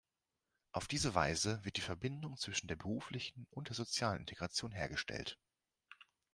Auf diese Weise wird die Verbindung zwischen der beruflichen und der sozialen Integration hergestellt.